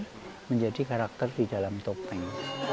seperti karakter karakter di dalam topeng